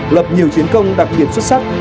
lập nhiều chiến công đặc biệt xuất sắc